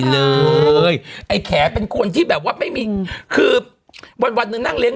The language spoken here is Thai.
เลยไอ้แขเป็นคนที่แบบว่าไม่มีคือวันวันหนึ่งนั่งเลี้ย